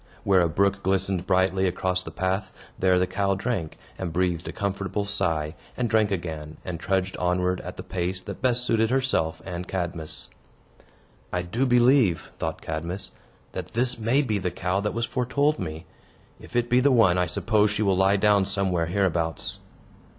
Where a brook glistened brightly across the path, there the cow drank, and breathed a comfortable sigh, and drank again, and trudged onward at the pace that best suited herself and Cadmus. "I do believe," thought Cadmus, "that this may be the cow that was foretold me. If it be the one, I suppose she will lie down somewhere hereabouts."